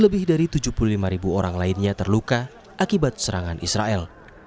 lebih dari tujuh puluh lima ribu orang lainnya terluka akibat serangan israel